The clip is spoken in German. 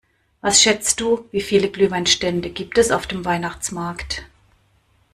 Was schätzt du, wie viele Glühweinstände gibt es auf dem Weihnachtsmarkt?